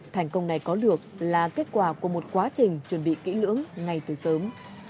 thành công này có được là kết quả của một quá trình chuẩn bị kỹ lưỡng ngay từ sớm